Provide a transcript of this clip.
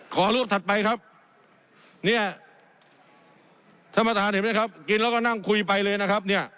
ขอรูปถัดไปครับเนี่ยท่านประธานเห็นไหมครับกินแล้วก็นั่งคุยไปเลยนะครับเนี่ย